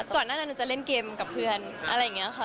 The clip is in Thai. ก่อนหน้านั้นหนูจะเล่นเกมกับเพื่อนอะไรอย่างนี้ค่ะ